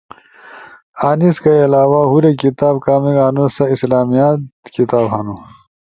۔انیس کئی علاوہ ہورے کتاب کامیک ہنو سا اسلامیات کتاب ہنو۔